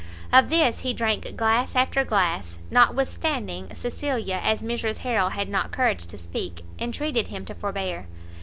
Of this he drank glass after glass, notwithstanding Cecilia, as Mrs Harrel had not courage to speak, entreated him to forbear.